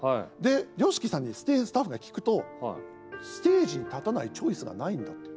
ＹＯＳＨＩＫＩさんにスタッフが聞くとステージに立たないチョイスがないんだって。